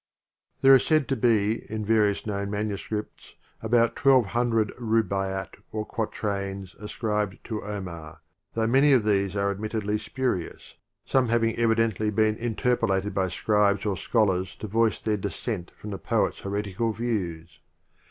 'There are said to be in various known manuscripts, about twelve hundred different vii The rub a iy at or quatrains ascribed to Omar, Preface though many of these are admittedly spuri ous, some having evidently been interpo lated by scribes or scholars to voice their dissent from the poet's heretical views.